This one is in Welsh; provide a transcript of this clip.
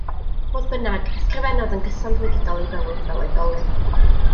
Fodd bynnag, ysgrifennodd yn gyson drwy gydol ei bywyd fel oedolyn.